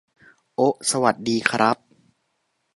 โอะ สวัสดีครับ